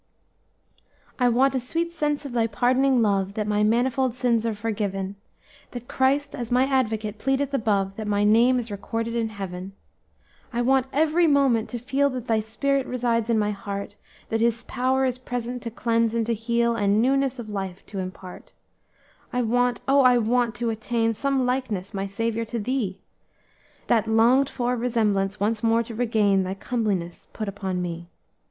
"'I want a sweet sense of Thy pardoning love, That my manifold sins are forgiven; That Christ, as my Advocate, pleadeth above, That my name is recorded in heaven. "'I want every moment to feel That thy Spirit resides in my heart That his power is present to cleanse and to heal, And newness of life to impart. "'I want oh! I want to attain Some likeness, my Saviour, to thee! That longed for resemblance once more to regain, Thy comeliness put upon me.